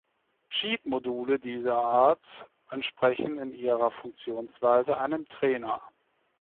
Cheat-Module dieser Art entsprechen in ihrer Funktionsweise einem Trainer.